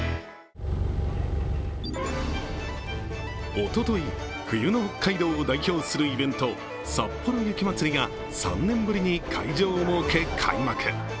おととい、冬の北海道を代表するイベント、さっぽろ雪まつりが３年ぶりに会場を設け開幕。